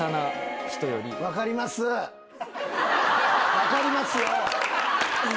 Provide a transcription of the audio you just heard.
分かりますよ！